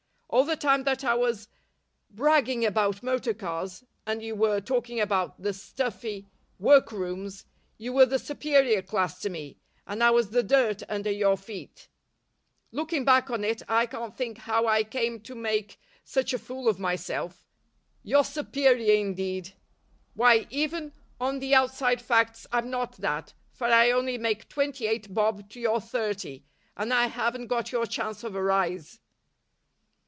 All the time that I was bragging about motor cars, and you were talking about the stuffy workrooms, you were the superior class to me, and I was the dirt under your feet. Looking back on it, I can't think how I came to make such a fool of myself. Your superior, indeed! Why, even on the outside facts I'm not that, for I only make twenty eight bob to your thirty, and I haven't got your chance of a rise."